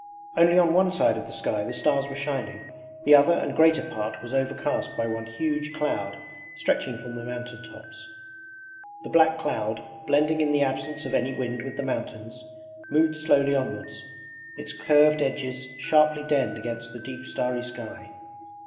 Only on one side of the sky the stars were shining, the other and greater part was overcast by one huge cloud stretching from the mountaintops. The black cloud, blending in the absence of any wind with the mountains, moved slowly onwards, its curved edges sharply denned against the deep starry sky.